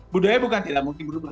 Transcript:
budaya bukan tidak mungkin berubah